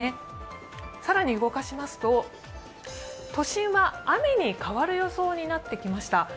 ただ、このあとなんですね、更に動かしますと都心は雨に変わる予想になってきました。